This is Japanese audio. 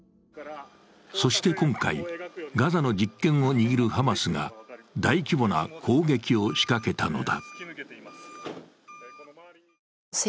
そして今回、ガザの実権を握るハマスが大規模な攻撃を仕掛けたのだ。